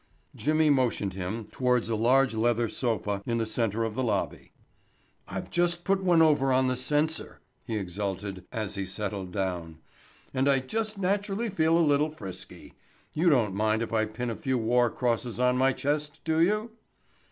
Jimmy motioned him towards a large leather sofa in the center of the lobby. "I've just put one over on the censor," he exulted, as he settled down, "and I just naturally feel a little frisky. You don't mind if I pin a few war crosses on my chest, do you?"